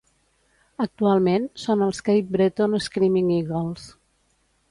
Actualment, són els Cape Breton Screaming Eagles.